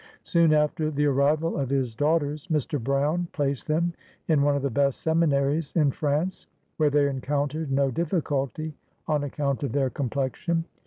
74 BIOGRAPHY OF Soon after the arrival of his daughters, Mr. Brown placed them in one of the best seminaries in France, where they encountered no difficulty on account of tteir complexion.